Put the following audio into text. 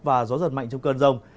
và gió giật mạnh trong cơn rông